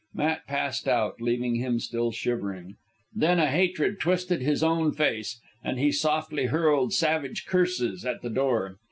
Matt passed out, leaving him still shivering. Then a hatred twisted his own face, and he softly hurled savage curses at the door.